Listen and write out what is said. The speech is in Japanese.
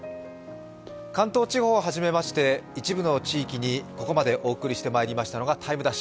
関東地方をはじめまして一部の地域にここまでお送りしてまいりましたのが「ＴＩＭＥ’」